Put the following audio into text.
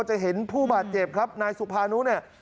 จะเห็นผู้บาดเจ็บครับนายสุภานุเนี่ย